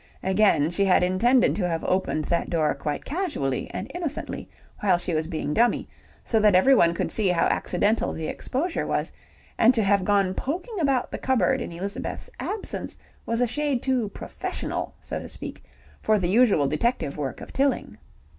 Again she had intended to have opened that door quite casually and innocently while she was being dummy, so that everyone could see how accidental the exposure was, and to have gone poking about the cupboard in Elizabeth's absence was a shade too professional, so to speak, for the usual detective work of Tilling.